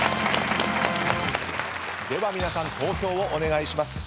では皆さん投票をお願いします。